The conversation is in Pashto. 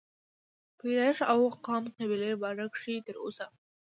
پيدائش او قام قبيلې باره کښې تر اوسه